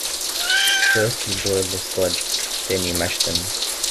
First you boil the spuds, then you mash them.